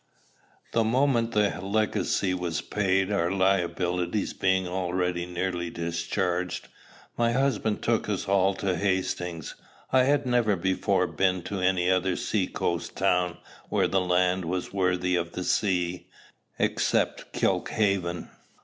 The moment the legacy was paid, our liabilities being already nearly discharged, my husband took us all to Hastings. I had never before been to any other seacoast town where the land was worthy of the sea, except Kilkhaven.